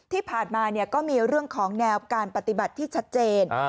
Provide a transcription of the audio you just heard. ที่ผ่านมาก็มีเรื่องของแนวการปฏิบัติที่ชัดเจน